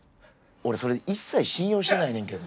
俺それ一切信用してないねんけど。